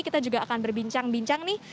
kita juga akan berbincang bincang nih